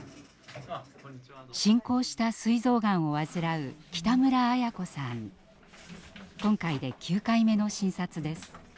進行したすい臓がんを患う今回で９回目の診察です。